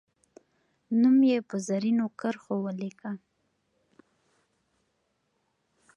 نوم یې په زرینو کرښو ولیکه.